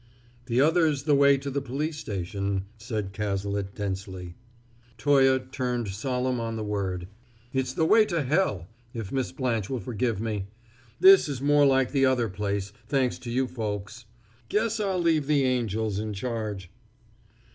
"The other's the way to the police station," said Cazalet densely. Toye turned solemn on the word. "It's the way to hell, if Miss Blanche will forgive me! This is more like the other place, thanks to you folks. Guess I'll leave the angels in charge!"